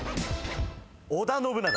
織田信長。